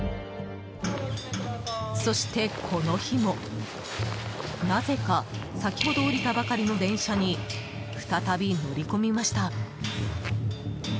そして、この日もなぜか先ほど降りたばかりの電車に再び乗り込みました。